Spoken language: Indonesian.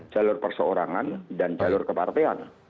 jalur perseorangan dan jalur kepartean